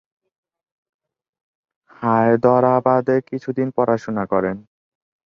হায়দরাবাদে কিছুদিন পড়াশুনা করেন।